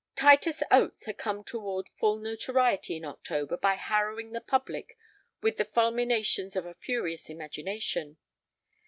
Titus Oates had come toward full notoriety in October by harrowing the public with the fulminations of a furious imagination.